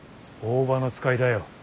大庭の使いだよ。